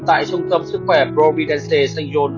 tại trung tâm sức khỏe providence st john